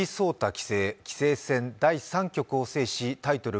棋聖、棋聖戦第３局を制しタイトル